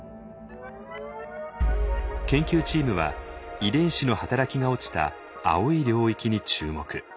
研究チームは遺伝子の働きが落ちた青い領域に注目。